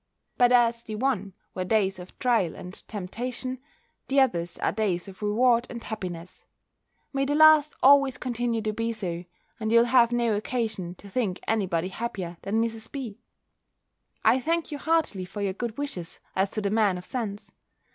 But as the one were days of trial and temptation, the others are days of reward and happiness: may the last always continue to be so, and you'll have no occasion to think any body happier than Mrs. B.! I thank you heartily for your good wishes as to the man of sense.